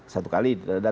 satu kali datang